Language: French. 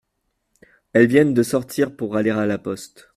Elles viennent de sortir pour aller à la poste.